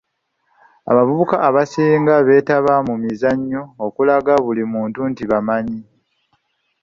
Abavubuka abasinga beetaba mu mizannyo okulaga buli muntu nti bamaanyi.